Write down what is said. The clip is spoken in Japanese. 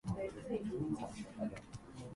喉が渇いた。